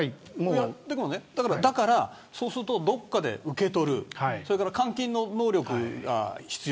だから、そうするとどこかで受け取る換金の能力も必要。